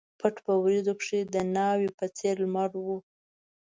پټ په وریځو کښي د ناوي په څېر لمر و